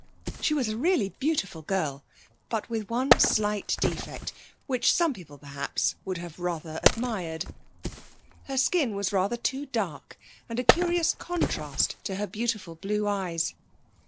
She was a really beautiful girl, with but one slight defect, which some people perhaps, would have rather admired her skin was rather too dark, and a curious contrast to her beautiful blue eyes.